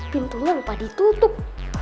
pintunya lupa ditutup